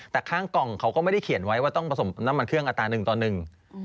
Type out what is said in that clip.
แต่ข้างกล่องเขาก็ไม่ได้เขียนไว้ว่าต้องผสมน้ำมันเครื่องอัตราหนึ่งต่อหนึ่ง